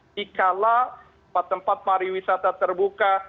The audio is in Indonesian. dikala tempat tempat pariwisata terbuka